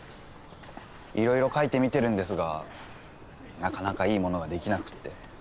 色々描いてみてるんですがなかなかいいものができなくって。